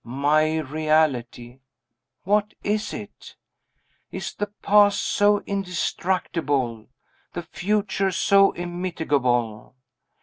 My reality! what is it? Is the past so indestructible? the future so immitigable?